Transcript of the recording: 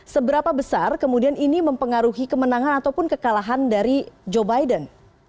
seberapa besar kemudian ini mempengaruhi kemenangan ataupun kekalahan dari joe biden